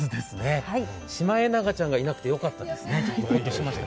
シマエナガちゃんがいなくてよかった、ほっとしました。